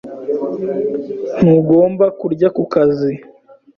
Ntugomba kurya ku kazi.